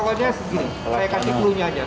pokoknya segini mereka diperlunya aja